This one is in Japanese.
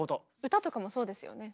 歌とかもそうですよね。